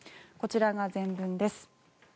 こちらが全文です。